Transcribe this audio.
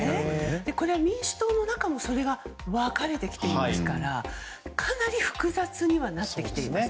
これ、民主党の中でもそれが分かれてきていますからかなり複雑にはなってきています。